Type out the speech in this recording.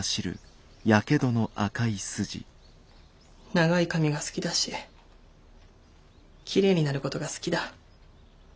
長い髪が好きだしきれいになることが好きだ。